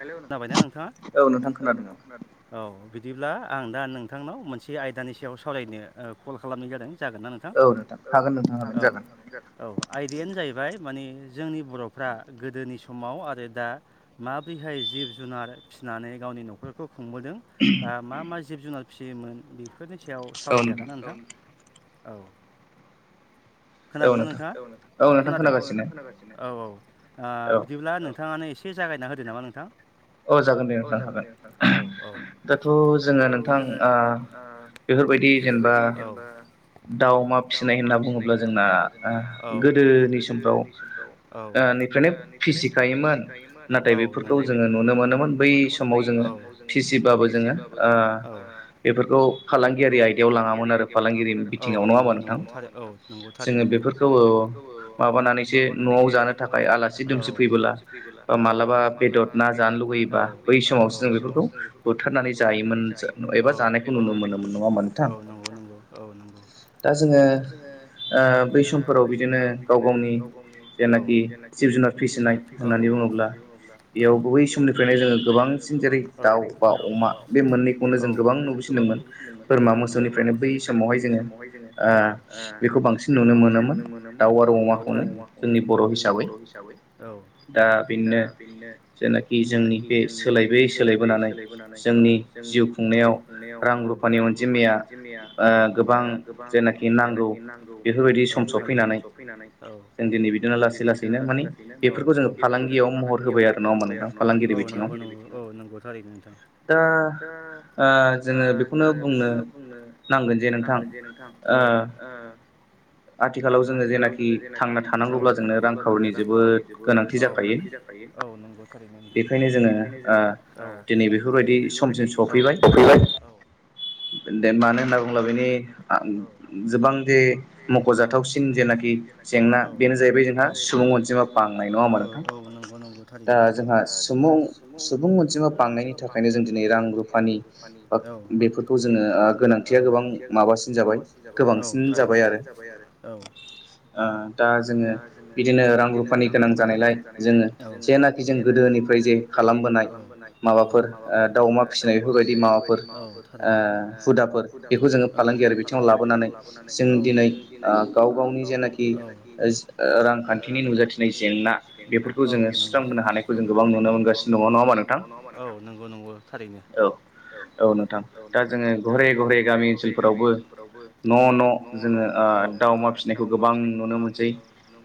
हेल' जाबायना नोंथाङा औ नोंथां खोनादों औ। बिदिब्ला आं दा नोंथांनाव मोनसे आयदानि सायाव सावरायनो कल ओ खालामनाय जादों जागोन ना नोंथां औ औ औ आयदायानो जाहैबाय माने जोंनि बर'फ्रा गोदोनि समाव आरो दा मा रैहाय जिब जुनार फिसिनानै गावनि न'खरखौ खुंबोदों आ मा मा जिब जुनार फिसियोमोन फोरनि सायाव सावरायजागोन ना नोंथां औ औ। खोनादोंना नोंथाङा औ नोंथां खोनादों औ नोंथां खोनागासिनो औ। औ ओ बिदिब्ला नोंथाङानो एसे जागायना होदो नामा नोंथां? औ जागोन दे नोंथां औ औ दाथ' जोङो नोंथां आ बेफोरबायदि जेनेबा दाउ अमा फिसिनाय होनना बुङोब्ला जोंना ओ गोदोनि समफ्राव ओ [inaudible] फ्रायनो फिसिखायोमोन ना औ नंगौ। नुनो मोनोमोन बै समाव जोङो फिसिब्लाबो जोङो ओ बेफोरखौ फालांगि खौ फालांगियारि आयदायाव लाङामोन आरो औ नंगौ नंगौ थारै औ नंगौ थारैनो औ जोङो बेफोरखौ ओ माबानानैसो न'आव जानो थाखाय आलासि दुमसि फैबोला औ ओ मालाबा जानो लुुगैयोबा बै समावसो जों बेफोरखौ बुथारनानै जायोमोन एबा जानायखौ नुनो मोनोमोन। नुनो मोनोमोन औ नोंथां नंगौ नंगौ औ नंगौ। दा जोङो ओ बै समफोराव बिदिनो गाव-गावनि जेनाखि जिब जुनार फिसिनाय होननानै बुङोब्ला नानै बुङोब्ला बेयाव गुबै समनिफ्रायनो जोङो गोबांसिन जेरै दाउ बा अमा बे मोननैखौनो जों गोबां नुबोसिनदोंमोन। नुबोसिनदोंमोन औ नंगौ बोरमा मोसौनिफ्रायनो बै समावहाय जोङो औ ओ बेखौ बांसिन नुनो मो मोनोमोन औ नंगौ थारैनो दाउ आरो अमाखौनो औ जोंनि बर' हिसाबै औ दा बेदिनो जेनाखि जोंनि बे सोलायबोयै सोलायबोनानै जोंनि जिउ खुंनायाव रां रु रां रुफानि अनजिमाया औ ओ गोबां जेनाखि नांगौ बेफोरबायदि सम सफैनानै औ जों दिनै बिदिनो लासै लासैनो माने औ-औ बेफोरखौ जोङो फालांगियाव महर होबाय आरो नङा होनबा नोंथां औ नंगौ नंगौ औ नंगौ थारैनो नोंथां। दा आ जोङो बेखौनो बुंनो नांगोन जे नोंथां ओ [unintelligible] आथिखालाव जोङो जेनाखि थांना थानांगौब्ला जोंनो रांखावरिनि जोबोद गोनांथि जागो गोनांथि जाखायो औ नंगौ थारैनो नोंथां बेखायनो जोङो ओ दिनै बेफोरबायदि औ [unintelligible] मानो होनना बुङोब्ला बेनि [unintelligible] मख'जाथावसिन जेनाखि जेंना बेनो जाहैबाय जोंहा सुबुं अनजिमा बांनाय नङा होमबा नोंथां? दा जोंहा [unintelligible] सुबुं अनजिमा बांनायनि थाखायनो जों दिनै रां रुफानि फानि औ बेफोरखौ जोङो थिया गोबां माबासिन जाबाय गोबांसिन जाबाय आरो औ ओ दा जोङो बिदिनो रां रुफानि गोनां जानायलाय जोङो जेनाखि जों गोदो निफ्राय जे खालामबोनाय माबाफोर ओ दाउ अमा फिसिनाय बेफोरबायदि माबाफोर ओ ओ हुदाफोर बेखौ जोङो फालांगियारि बिथिंङाव लाबोनानै जों दिनै ओ गाव गावनि जेनाखि ओ रांखान्थिनि नुजाथिनाय जेंना बेफोरखौ जोङो [unintelligible] जोङो सुस्रां बोनो हानायखौ जों गोबां नुनो मोनगासिनो दङ' नङा होमबा नोंथां औ नगौ नंगौ थारैनो। औ नोंथां दा जोङो घरे जोङो औ घरे घरे गामि ओनसोलफोरावबो न' न' औ जोङो दाव अमा फिनायखौ गोबां नुनो मोनसै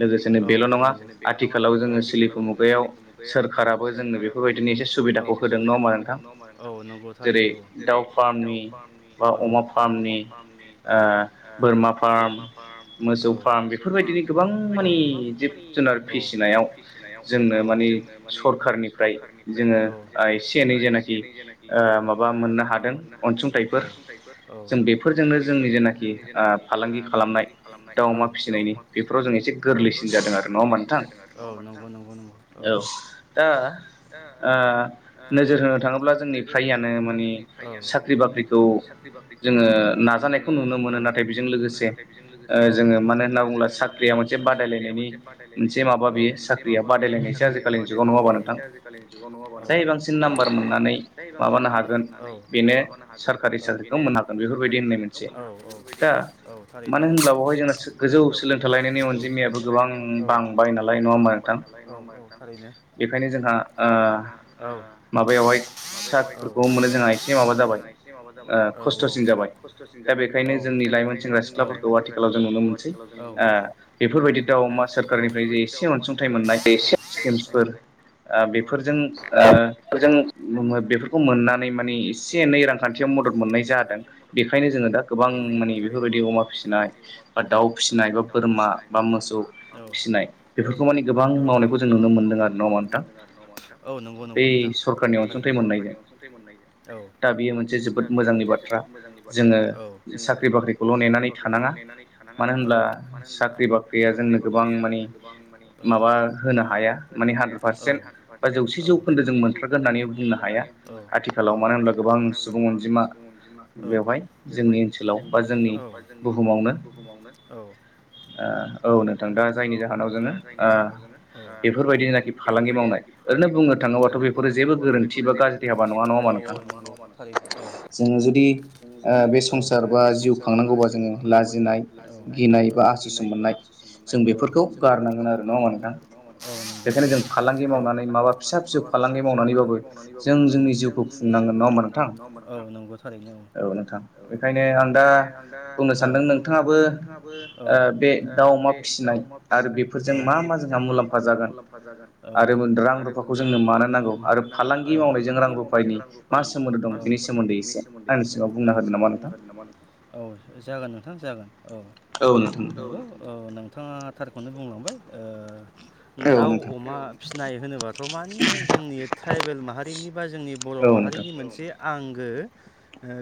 लोगोसेनो बेल' नङा आथिखालाव जोङो सोलिफु मुगायाव सोलिफु मुगायाव सोरखाराबो जोंनो बेफोरबायदि एसे सुबिदाखौ होदों नंङा होमबा नोंथां औ नंगौ थारैनो औ। दाउ फार्मनि फार्मनि औ बा अमा फार्मनि औ ओ बोरमा फार्म औ मोसौ फार्म बेफोर बायदि गोबां माने जिब-जुनार फिसिनायाव जों नो माने सरखारनिफ्राय औ जोङो ओ एसे-एनै जेनोखि ओ माबा मोन मोननो हादों अनसुंथाइफोर जों बेफोरजोंनो जोंनि जेनाखि फालांगि खालामनाय दाउ अमा फिसिनायनि बेफ्राव जों एसे गोरलैसिन जादों आरो औ नंगौ नंगौ औ दा ओ नोजोर होनो थाङोब्ला जोंनि फ्राययानो माने फ्राय आनो मे साख्रि बाख्रिखौ जोङो नाजानायखौ नुनो मोनो नाथाय बेजों लोगोसे ओ जोङो मानो होनना बुङोब्ला साख्रिया मोनसे बादायलायनायनि मोनसे माबा बेयो साख्रिया बादायलायनायसो बादायस आजिखालि जुगाव नङाबा नोंथां जाय बांसिन नाम्बार मोननानै बेनो सकारि बेनो सारकारि साख्रिखौ मोन [unintelligible] दि औ मानो होनब्ला बेवहाय जोंना गोजौ सोलोंथाइ लायनायनि अनजिमायाबो गोबां बांबाय नालाय नङा होमबा नोंथां [unintelligible] थारैनो बेखायनो औ जोंहा माबायावहाय औ जोंहा एसे माबा औ औ खस्थ'सिन जाबाय औ दा बेखायनो जों सिख्लाफोरखौ आथिखालाव जों नुनो मोनसै ओ बेफोरबायदि दाउ मा सोरखारनिफ्राय जे एसे अनसुंथाइ मोननाय स्किम्सफोर ओ बेफोरजों ओ बेफोरखौ मोननानै माने एसे एनै रांखान्थियाव मदद मोननाय जादों बेखायनो जोङो दा गोबां माने बेफोरबायदि अमा बेफोरबायदि अमा फिसिनाय बा दाउ फिसिनाय बा बोरमा मोसौ फिसिनाय बे गोबां मावनायखौ जों नुनो मोनदों आरो नाोंथ औ नंगौ नंगौ नोंथां बे सरखारनि अनसुंथाइ मोननायजों दा बेयो मोनसे जोब दा बेयो मोनसे जोबोद मोजांनि बाथ्रा औ जोङो साख्रि बाख्रि ल' नेनानै थानाङा औ मानो होनब्ला साख्रि बाख्रिया जोंनो गोबां माने माबा होनो हाया हानद्रेद पारसेन्ट बा जौसे जौखोन्दो जों मोनथारगोन होननानै बुंनो हाया। मानो होनब्ला गोबां सु गोबां सुबुं अनजिमा औ बेवहाय जोंनि ओनसोलाव औ बा जों नि बुहुमावनो औ ओ औ नोंथां दा जायनि जाहोनाव जोङो दा बेफोरबायदिनाखि फालांगि मावनाय ओनो बुंनो थाङोब्लााथ' बेफोर जेबो गोरोन्थि बा गाज्रि ना नङा म जोङो जुदि बे संसार बा जिउ खांनांगौबा जोङो लाजिनाय गिनाय बा आसुस' मोननाय जों बेफोरखौ गारनांगोन आरो नङा मोनानथा बेखायनो फालांगि मावनानै माबा फिसा फिसौ फालांगि मावनानैबाबो जों नांगोन नङा नांगोन नङाहोनबा नोंथां औ नंगौ थारैनो औ औ नोंथां औ बेखायनो आं दा औ बुंनो सानदों नोंथाङाबो बे दाउ मा फिसिनाय आरो बेफोरजों मा म मा जोंहा मुलाम्फा जागोन आरो रां रुफाखौ जोंनो मानो नांगौ आरो फालांगि मावनाय जों मास सोम म सोमोन दंनि सोमोन्दैनो होन नामा नोंथां औ जागोन नोंथां जागोन औ औ औ नोंथाङा थारखौनो बुंलांबाय ओ दाउ अमा फिसिनाय होनोबाथ' मानि बे जोंनि ट्राइबेल माहारिनि बा जोंनि बर' बर' माहारिनि मोनसे आंगो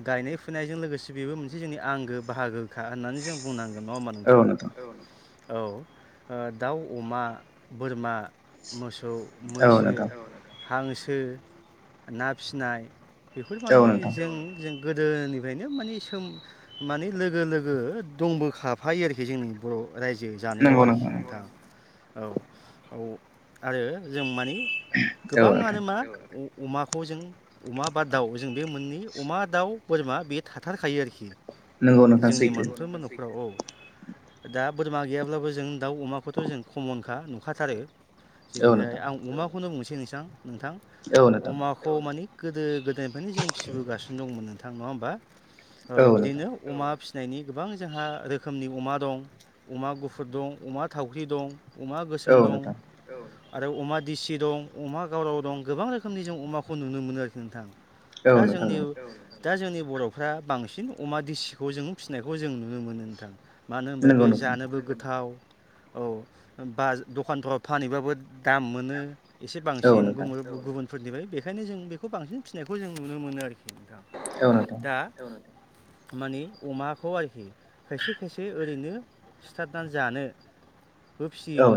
गायनाय फुनायजों लोगोसे बेबो मोनसे जोंनि आंगो बाहागोखा होननानै जों बुंनांगोन नङा होमबा नोंथां औ औ दाउ अमा बोरमा मोसौ मैसो हांसो ना फिसिनाय बेफोर माने जों जों गोदोनिफ्रायनो माने सोम माने लोगो लोगो दंबोखफायो आरोखि जोंनि बर' रायजो जानायाव आरोखि नोंथाङा औ औ आरो जों मानि गोबाङानो मा अमाखौ जों अमा बा दाउ जों बे मोननै अमा दाउ बोरमा बेयो थाथारखायो आरोखि जोंनि मोनानफ्रोमबो न'खराव औ दा बोरमा गैयाब्लाबो जों दाउ अमाखौथ' जों खमनखा नुखाथारो जेरैहाय आं अमाखौनो बुंनोसै नोंसां नोंथां अमाखौ मानि गोदो। गोदोनिफ्रायनो जों फिसिबोगासिनो दंमोन नोंथां नङा होमब्बा ओ बिदिनो अमा। फिनायनि गोबां जोंहा रोखोमनि अमा दं अमा गुफुर दं अमा थावख्रि दं। अमा गोसोम दं औ। आरो अमा दिसि दं अमा गावराव दं गोबां रोखोमनि जों अमाखौ नुनो मोनो आरोखि नोंथां। दा जोंनि औ नोंथां दा जोंनि बर'फ्रा बांसिन अमा दिसिखौ जों फिसिनायखौ जों नुनो मोनो नोंथां। मानो होमबा बे जानोबो गोथाव। औ बा दखानफ्राव फानैहैबाबो दाम मोनो। एसे बांसिन गुमुरखौ गुबुनफोरनिफ्राय बेखायनो जों बेखौ बांसिन फिसिनायखौ जों नुनो मोनो आरोखि नोंथां। दा औ नोंथां। मानि अमाखौ आरोखि खायसे खायसे ओरैनो सिथारनानै जानो। बो फियो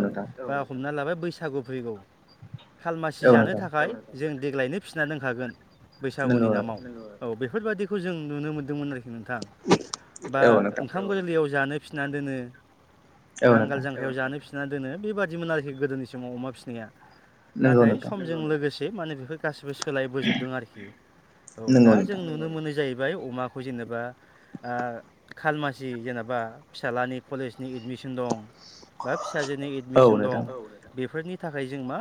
बा हमना लाबाय बैसागु फैगौ। खालमासि जानो थाखाय जों देग्लायनो फिसिना दोनखागोन। बैसागुनि नामाव नंगौ औ बेफोरबायादिखौ जों नुनो मोन्दोंमोन आरोखि न नोंद थां बा ओंखाम गोरलैयाव जानो फिनानै दोनो। नांगोल जांख्रा। याव जानो फिसिनानै दोनो बेबादिमोन आरोखि गोदोनि समाव अमा फिसिनाया नाथाय समजों लोगोसे माने बेफोर गासिबो सोलायबोजोब। जों आरोखि औ दा जों नुनो मोनो जायोब बाय अमाखौ जेनेबा खालमासि जेनेबा फिसालानि कलेजनि इडमि। सन दं बा फिसाजोनि इडमिसन दं बेफोरनि। थाखाय जों मा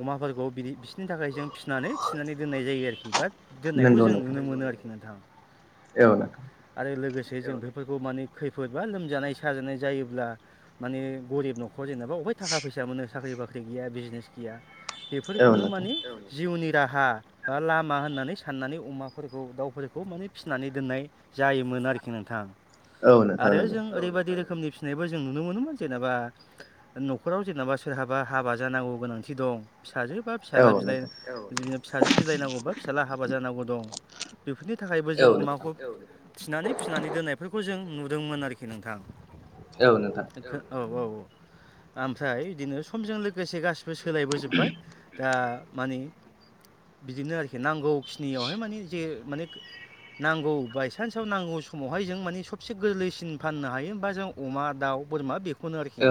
अमाफोरखौ बिदि बिसिनि थाखाय जों फिनानै थिना। दे आरखि बा दोननायखौ जों नुनो मोनो आरखि नोंथां औ आरो लोगोसे। बे जों औ बेफोरखौ माने खैफोद बा लोमजानाय साजानाय जायोब्ला माने गरिब न'ख। जेनेबा हाय थाखा फैसा मोनो साख्रि बाख्रि गैया बिजनेस गैया बेफोरखौनो मानि जिउनि। दाहा। बा लामा होननानै साननानै अमाफोरखौ दाउफोरखौ माने फिनानै दोननाय जायोमोन आरोखि नोंथां। आरो जों ओरैबादि रो रोखोमनि फिनायबो जों नुनो मोनोमोन जेनेबा न'खराव जेनेबा सोरहाबा हाबा जानांगौ गोनांथि दं। फिसाजो बा फिसाजला बिलाइ जिबि फिसाजो बिलाइनांगौ बा फिसाला हाबा जानांगौ दं बेफोरनि थाखायबो जों अमाखौ थिनानै फिसिनानै दोननायफोरखौ जों नुदोंमोन आरोखि नोंथां। खोन्थादो औ औ औ ओमफ्राय इदिनो समजों लोगोसे गासैब बि सोलायबोजोबबाय दा माने बिदिनो आरोखि नांगौ खिनियावहाय माने जे माने नांगौ बाइचानस आव नांगौ समावहाय जों मानि सबसे गोरलैसिन फाननो हायो होमबा जों अमा दाउ। बोरमा बेखौनो आरोखि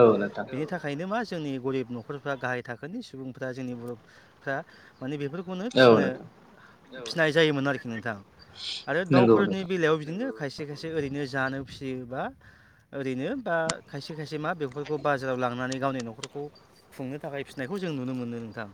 बेनि थाखायनो मा जोंनि गरिब न'खरफ्रा गाहाय थाखोनि सुबुंफ्रा जोंनि बर'फ्रा माने बेफोरखौनो फिसिनो औ फिसिनाय जायोमोन आरोखि नोंथां आरो दाउफोरनि बेलायाव बिदिनो खायसे खायसे ओरैनो जानो फिसियोबा। ओरैनो बा खायसे खायसे मा बेफोरखौ बाजाराव लांनानै गावनि न'खरखौ खुंनो थाखाय फिसिनायखौ जों नुनो मोनो ओन्थां।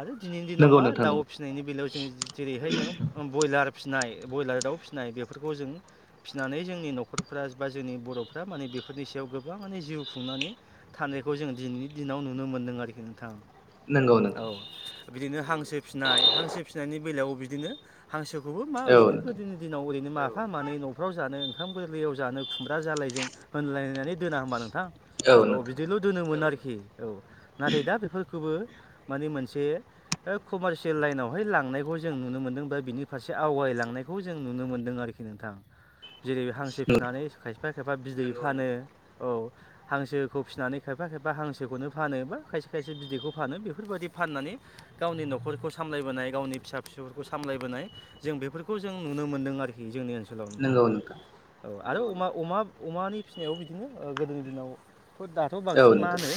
आरो दिनैनि दिनाव मा दाउ फिसिनायनि बेलायाव जोङो जे जेरैहाय जोंङो बयलार नाय बयलार दाउ फिसिनाय बेफोरखौ जों फिसिनानै जोंनि न'खरफ्रा बा जोंनि बर'फ्रा माने बे फोरनि सायाव गोबाङानो जिउ खुंनानै थानायखौ जों दिनैनि दिनाव नुनो मोन्दों आरोखि नोंथां। नोंगौ नोंगौ। बिदिनो हांसो फिनाय हांसो फिनायनि बेलायाव बिदिनो हांसो खौबो माओैरैनो गोदोनि दिनाव ओरैनो मा माफा मानै न'फ्राव जानो ओंखाम गोरलैयाव जानो खुमब्रा जालायजों होनलायनानै दोना होमबा नो नोंथां औ बिदिल' दोनोमोन आरोखि औ नाथाय दा बेफोरखौबो माने मोनसे ओ कमारसियेल लाइनावहाय लांनायखौ जों नुनो मोनदों बा बिनि फारसे आवगायलांनायखौ जों नुनो मोनदों आरोखि नोंथां। जेरै हांसो फिसिनानै खायफा खायफा बिदै फानो औ हांसोखौ फिसिनानै खायफा खायफा हांसोखौनो फानो बा खायसे खायसे बिदैखौ फानो बेफोरबायदि फाननानै गावनि न' खरखौ सामलायबोनाय गावनि फिसा फिसौफोरखौ सामलायबोनाय जों बेफोरखौ जों नुनो मोनदों आरोखि जोंनि ओनसोल सोलाव नोंथां औ आरो अमा अमा अमानि फिसिनायाव बिदिनो ओ गोदोनि दिनाव दाथ' बांसिन मा होनो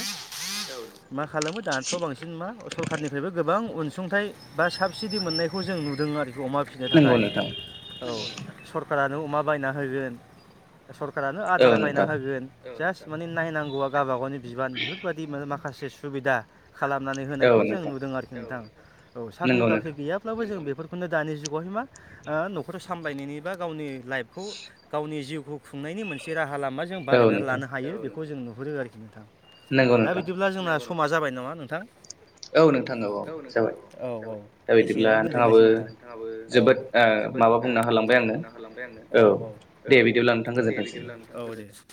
मा खालामो दाथ' बांसिन मा सरखारनिफ्रायबो गोबां अनसुंथाइ बा साबसिडि मोननायखौ जों नुदों आरोखि। अमा फिसिनो थाखाय औ सरखारारानो अमा बायना होगोन। सरकारानो आदार बायना होगोन जास्ट माने नायनांगौआ गावबा गावनि बिबान बेफोरबायदि मान माख माखासे सुबिदा खालामनानै होनायखौ जों नुदों आरोखि नोंथां औ साख्रि बाख्रि गैयाब्लाबो जों बेफोरखौनो दानि जुगावहाय मा ओ न'खर सामलायनायनि बा गावनि लाइफखौ गावनि जिउ खौ खुंनायनि मोनसे राहा लामा जों बानायनानै लानो हायो बेखौ जों नुहुरो आरोखि नोंथां दा बिदिब्ला जोंना स समा जाबाय नामा नोंथां? औ नोंथाङो औ औ। औ एसेयावनो दोनथ'नांसिगोन नोंथां औ जोबोद माबा बुंना हो होलांबाय आंनो औ औ औ दे बिदिब्ला औ दे।